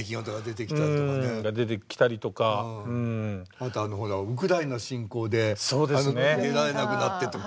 あとあのほらウクライナ侵攻で出られなくなってとか。